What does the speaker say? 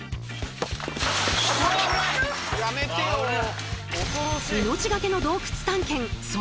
やめてよ。